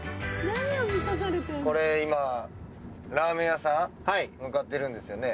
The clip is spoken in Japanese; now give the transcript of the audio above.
これ今ラーメン屋さん向かってるんですよね？